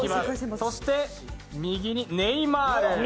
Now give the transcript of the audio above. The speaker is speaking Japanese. そして右にネイマール。